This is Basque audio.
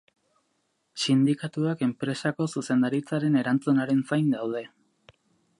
Sindikatuak enpresako zuzendaritzaren erantzunaren zain daude.